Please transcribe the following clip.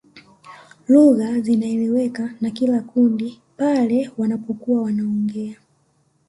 Lugha zinaeleweka na kila kundi pale wanapokuwa wanaongea